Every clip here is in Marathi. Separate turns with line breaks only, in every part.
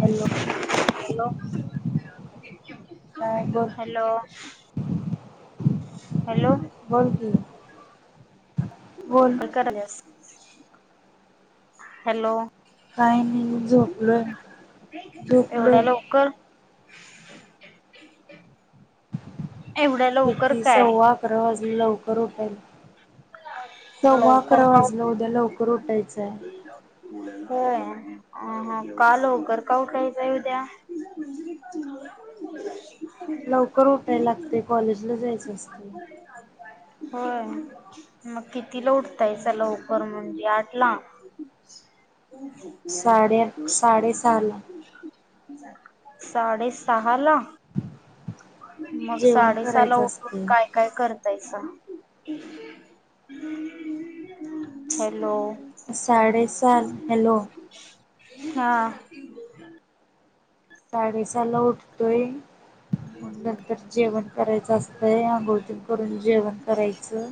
हॅलो
हॅलो
काय बोल
हॅलो. हॅलो.
बोल की बोल
काय करायल्यास? हॅलो.
काय नाही मी झोपलोय
एवढ्या
झोपलोय.
लवकर एवढ्या लवकर
किती
काय
सव्वा अकरा वाजलं लवकर उठाय सव्वा
लवकर
अकरा
का
वाजलं उद्या लवकर उठायचंय.
होय. हा हा का लवकर का उठायच उद्या?
लवकर उठायला लागतंय कॉलेजला जायचं असतंय.
होय मग कितीला उठतायचा लवकर मग. यातला.
साडे साडेसहा ला.
साडे सहा ला. मग
जेवण
साडेसहाला
करायचं
उठून काय.
असते
काय करतायसा. हॅलो,
साडेसात हॅलो.
हा.
साडेसाला उठतोय. मग नंतर जेवण करायचं असतंय. आंघोळ तेन करून जेवण करायचं.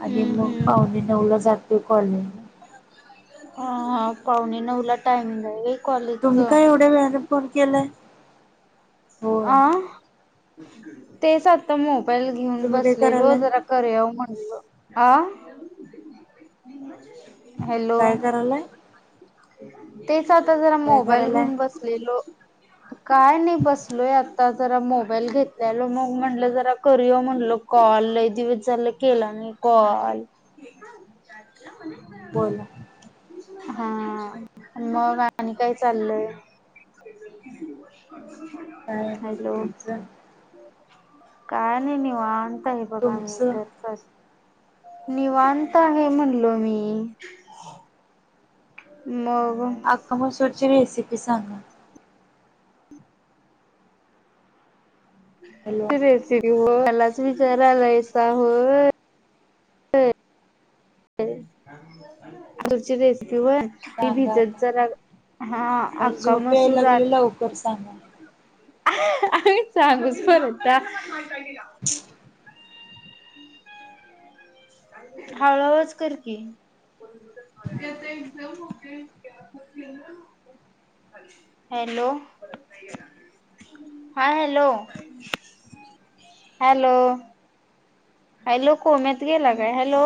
आणि मग
हम्म
पावणे नऊला जातो कॉलेजला.
हा पावणे नऊला टायमिंग हाय होय.
तुम्ही का एवढ्या वेळाने फोन केलाय. होय.
आ तेच आता मोबाईल घेऊन
तुम्ही काय
बसलेलो
करायलाय?
जरा करूया. म्हटलं आ. हॅलो
काय करायलाय?
तेच आता जरा
काय
मोबाईल
करायलाय?
घेऊन बस हॅलो काय नाही बस लोय आत्ता जरा मोबाईल घेतलेलो मग म्हणलं जरा करूया म्हणलं कॉल लय दिवस झालं. केला मी कॉल.
बोला.
हा मग आणि काय चाललंय. [unintelligible]
काय नाही.
हॅलो
तुमचं?
काय नाय निवांत
तुमचं?
आहे. निवांत आणि म्हणलो मी.
हा
मग.
हा. अख्खा मसूर ची रेसिपी सांगा. हॅलो.
ती रेसिपी हो त्यालाच विचारायलासा होय. तुरची रेसिपी व्हंय ती
सांगा
भिजत
आता.
जरा हा
मला
अक्का‌
झोप याय
मसूरा
लागली लवकर सांगा.
आम्ही चांगूल बर त्या हळू आवाज‌ कर की. त्याचे एक्झाम होते. [unintelligible] हॅलो. हा हॅलो. हॅलो. हॅलो कोम्यात गेला
हम्म.
काय? हॅलो.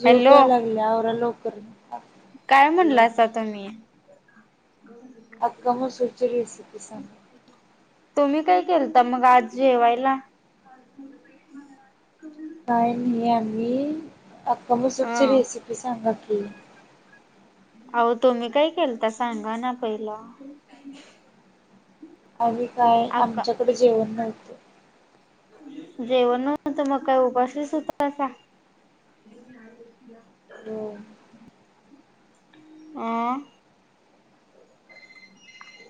झोप
हॅलो
यायलागल्या आवरा लवकर.
काय
हॅलो.
म्हणलासा तुम्ही?
आख्खा मसूर ची रेसिपी सांग.
तुम्ही काय केलता मग आज जेवायला?
काय नाही आणि अक्का
हा
मसूरची रेसिपी सांगा की. ‌
आहो तुम्ही काय केलता सांगा ना पहिला.
आणि काय
अक्का
आमच्याकडे जेवण नव्हतं.
जेवण नव्हतं ‌मग काय उपाशीच हुतासा?
हो
अं?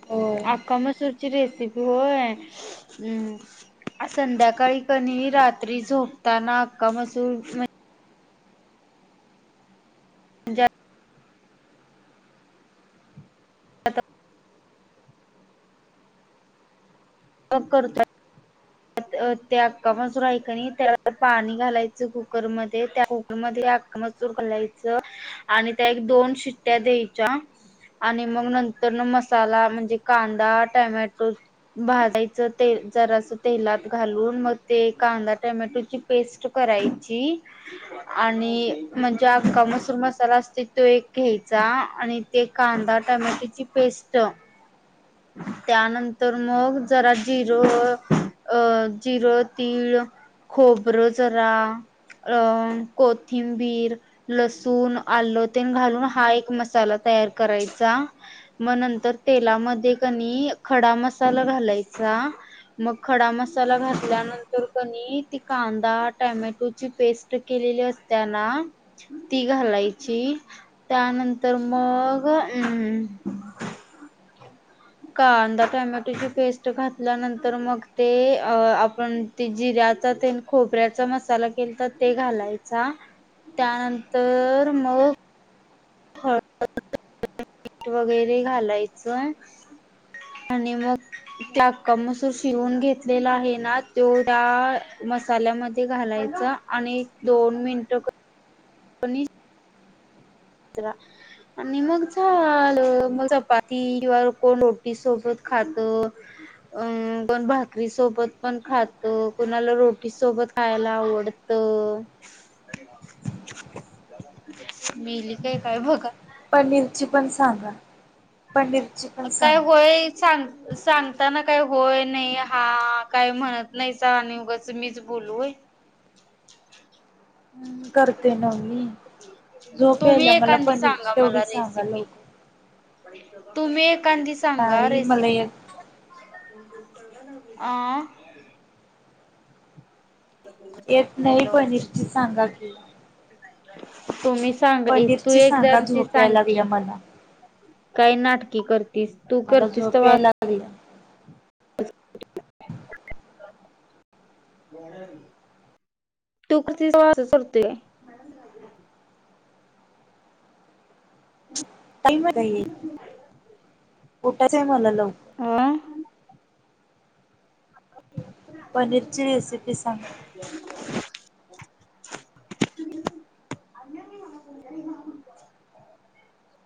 होय
आख्खा मसूर ची रेसिपी होय. हम्म. आ संध्याकाळी का नाई रात्री झोपताना अख्खा मसूर म्हणजे मग करू काय. ते अख्खा मसूर हाय का नई त्यात पाणी घालायचं कुकरमध्ये त्या कुक कुकरमध्ये‌ अक्का मसूर घालायचं आणि त्या एक दोन शिट्या द्यायच्या. आणि मग नंतर मसाला म्हणजे कांदा, टमॅटो, भाजायचं ते जरासं. तेलात घालून मग ते कांदा टमॅटोची पेस्ट करायची आणि म्हणजे अक्का मसूर मसाला असतोय तो एक घ्यायचा ‌आणि ते कांदा टमॅटोची पेस्ट त्यानंतर मग जरा जीर अ जीर, तीळ खोबरं जरा अं कोथिंबीर. लसुण, आलं ‌तेन घालून हा एक मसाला तयार करायचा. मग नंतर तेलामधे का नई खडा मसाला घालायचा. मग खडा मसाला घातल्यानंतर कनई‌ ती कांदा, टोमॅटोची पेस्ट ते केलेले असत्या ना ती घालायची. त्यानंतर मग अम कांदा टोमॅटोची पेस्ट घातल्यानंतर, मग ते अ आपण ते जिऱ्याचा तेन खोबऱ्याचा मसाला केलता ‌ते घालायचा. त्यानंतर मग हळद मीठ वगैरे घालायचं. आणि मग त्या आख्खा मसूर शिवून घेतलेला आहे ना तेवढा मसाल्यामध्ये घालायचा. आणि दोन मिनटं [unintelligible] जरा आणि मग झालं. मग चपाती किंवा कोण रोटी सोबत खातं. अं पण भाकरी सोबत पण खातो कोणाला रोटी सोबत खायला आवडत तर मीली काय काय बघा.
पनीरची पण सांगा. पनीरची पण
काय
सांगा
होय सांग. सांगताना काय होय नाय हा काय म्हणत नाईसा‌. आणि उगाच मीच बोलू होय.
करते ना मी. झोप
तुम्ही
‌यायल्या. मला
एखादी
पनीरची तेवढी सांगा लवकर.
तूम्ही एखांदी सांगा
नाही मला
रेसिपी.
येत
अह.
येत नाही
हॅलो
पणीची सांगा की.
तुम्ही सांगा ये, तु
पनीरची
एक
सांगा
जण
झोप
सांग
यायला लागल्या
की.
मला
काय नाटकीे करतीस. तू
मला‌
करतीस
झोप
तवा
याय लागली.
[unintelligible] तू [unintelligible] करतेय.
काल [unintelligible] कुठच आहे म्हणालं.
हह. [unintelligible]
पनीरची रेसिपी सांग?
[inaudible] [unintelligible]